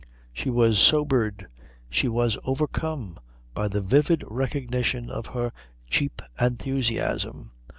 She was sobered. She was overcome by the vivid recognition of her cheap enthusiasm.